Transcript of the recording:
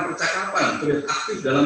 percakapan terlihat aktif dalam